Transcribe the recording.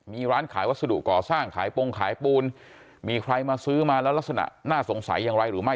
มีร้านขายวัสดุก่อสร้างขายโปรงขายปูนมีใครมาซื้อมาแล้วลักษณะน่าสงสัยอย่างไรหรือไม่